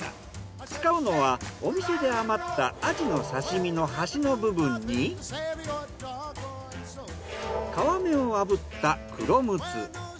使うのはお店で余ったアジの刺身の端の部分に皮目を炙ったクロムツ。